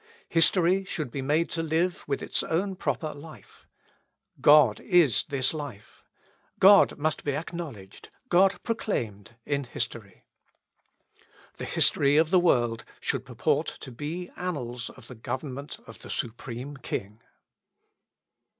History should be made to live with its own proper life. God is this life. God must be acknowledged God proclaimed in history. The history of the world should purport to be annals of the government of the Supreme King.